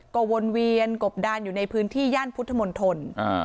ก็วนเวียนกบดานอยู่ในพื้นที่ย่านพุทธมนตร